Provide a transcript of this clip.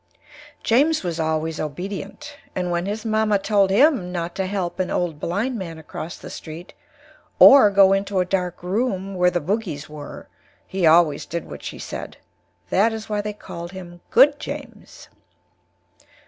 James was always Obedient, and when his Mamma told him not to Help an old Blind Man across the street or Go into a Dark Room where the Boogies were, he always Did What She said. That is why they Called him Good James.